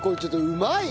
うまい。